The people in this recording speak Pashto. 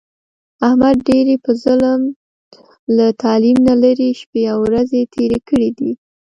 احمد ډېرې په ظلم، له تعلیم نه لرې شپې او ورځې تېرې کړې دي.